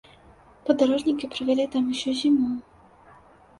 Падарожнікі правялі там усю зіму.